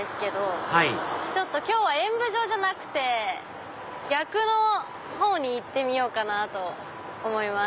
はい今日は演舞場じゃなくて逆の方に行ってみようかなと思います。